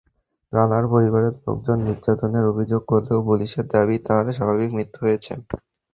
রানার পরিবারের লোকজন নির্যাতনের অভিযোগ করলেও পুলিশের দাবি তাঁর স্বাভাবিক মৃত্যু হয়েছে।